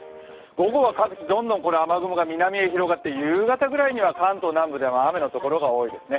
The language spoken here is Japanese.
午後は各地どんどん雨雲が南へ広がって夕方ぐらいには関東南部では雨の所が多いですね。